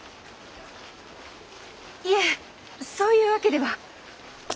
いえそういう訳では。